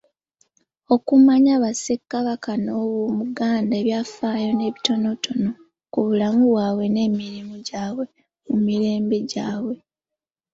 Okumanya Bassekabaka b'omu Buganda n'ebyafaayo ebitonotono ku bulamu bwabwe n'emirimu gyabwe mu mirembe gyabwe.